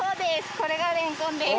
これがれんこんです。